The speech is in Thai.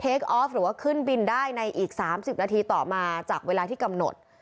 ออฟหรือว่าขึ้นบินได้ในอีก๓๐นาทีต่อมาจากเวลาที่กำหนด